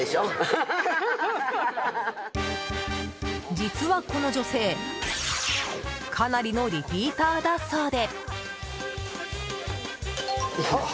実は、この女性かなりのリピーターだそうで。